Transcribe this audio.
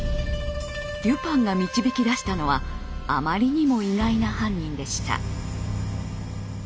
デュパンが導き出したのはあまりにも意外な犯人でした。